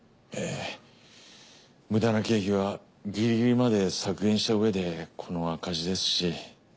えぇ無駄な経費はギリギリまで削減したうえでこの赤字ですし。